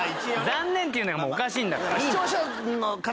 残念っていうのがもうおかしいんだからいい。